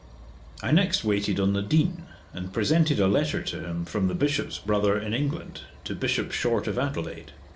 I next waited on the Dean, and presented a letter to him from the Bishop's brother in England to Bishop Short of Adelaide.